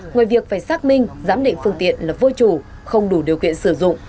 ngoài việc phải xác minh giám định phương tiện là vô chủ không đủ điều kiện sử dụng